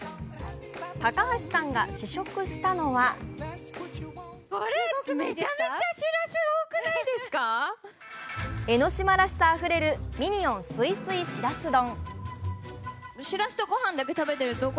高橋さんが試食したのは江の島らしさあふれるミニオン・すいすいしらす丼。